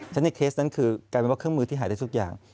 ฉะในเคสนั้นคือกลายเป็นว่าเครื่องมือที่หายได้ทุกอย่าง